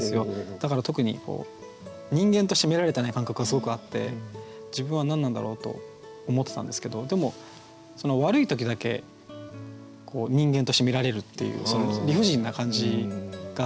だから特に人間として見られてない感覚はすごくあって自分は何なんだろうと思ってたんですけどでも悪い時だけ人間として見られるっていうその理不尽な感じがあって。